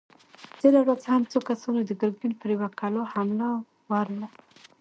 تېره ورځ هم څو کسانو د ګرګين پر يوه کلا حمله ور وړه!